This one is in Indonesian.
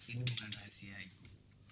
ini bukan rahasia ibu